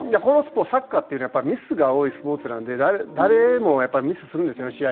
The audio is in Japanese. このスポーツサッカーっていうのはやっぱりミスが多いスポーツなんで誰でもミスするんですよね